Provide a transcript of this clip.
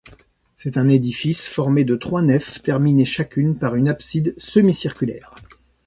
C'est un édifice formé de trois nefs, terminées chacune par une abside semi-circulaire.